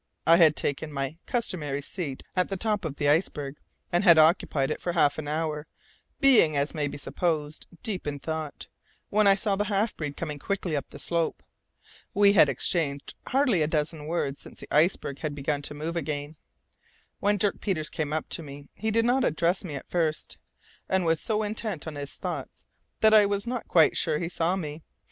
I had taken my customary seat at the top of the iceberg, and had occupied it for half an hour, being, as may be supposed, deep in thought, when I saw the half breed coming quickly up the slope. We had exchanged hardly a dozen words since the iceberg had begun to move again. When Dirk Peters came up to me, he did not address me at first, and was so intent on his thoughts that I was not quite sure he saw me.